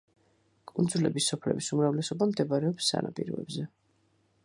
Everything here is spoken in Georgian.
კუნძულების სოფლების უმრავლესობა მდებარეობს სანაპიროებზე.